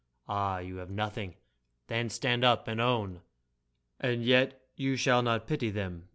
Ah, you have nothing! Then stand up and own! And yet you shall not pity them